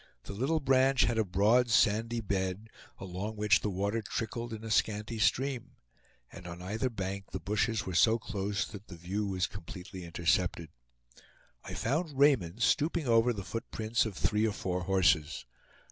The little branch had a broad sandy bed, along which the water trickled in a scanty stream; and on either bank the bushes were so close that the view was completely intercepted. I found Raymond stooping over the footprints of three or four horses.